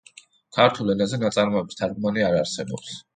ქართულ ენაზე ნაწარმოების თარგმანი არ არსებობს.